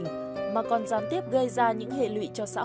nó là lỗi xấu hổ